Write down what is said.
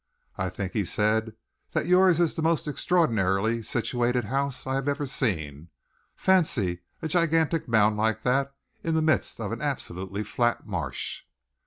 "I think," he said, "that yours is the most extraordinarily situated house I have ever seen. Fancy a gigantic mound like that in the midst of an absolutely flat marsh."